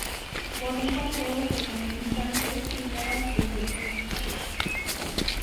Por un paseo se comunican tres primeras, donde se ubican las casetas.